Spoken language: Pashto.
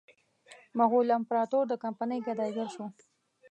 مغول امپراطور د کمپنۍ ګدایي ګر شو.